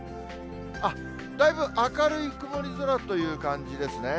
だいぶ明るい曇り空という感じですね。